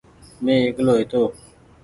مينٚ اڪيلو هيتو